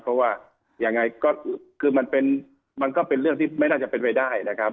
เพราะว่ายังไงก็คือมันก็เป็นเรื่องที่ไม่น่าจะเป็นไปได้นะครับ